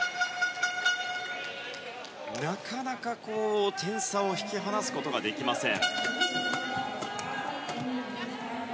なかなか点差を引き離すことができません。